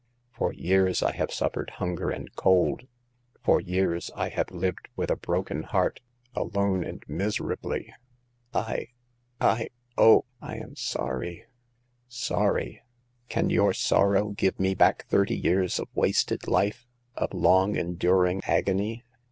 For j^ears I have suffered hunger and cold ; for years The Sixth Customer. 177 I have lived with a broken heart, alone and miserably !"I — I — oh, I am sorry !"" Sorry ! Can your sorrow give me back thirty years of wasted life—of long enduring agony?